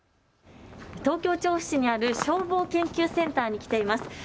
東京調布市にある消防研究センターに来ています。